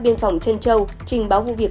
biên phòng trân châu trình báo vụ việc